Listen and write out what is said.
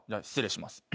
失礼します。